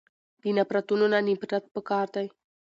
د نفرتونونه نفرت پکار دی.